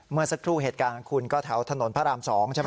เมื่อสักครู่เหตุการณ์ของคุณก็แถวถนนพระราม๒ใช่ไหม